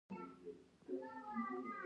چې دلته پاکستانيان نشته چې عبدالله انتخاب کړي.